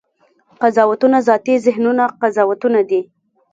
قضاوتونه ذاتي ذهني قضاوتونه دي.